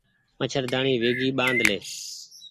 مڇهرداڻي ويگي ٻآڌلي